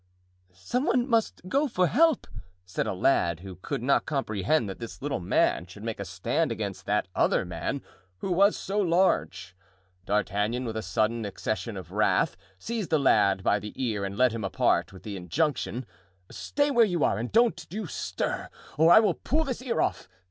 "Some one must go for help," said a lad, who could not comprehend that this little man should make a stand against that other man, who was so large. D'Artagnan, with a sudden accession of wrath, seized the lad by the ear and led him apart, with the injunction: "Stay you where you are and don't you stir, or I will pull this ear off.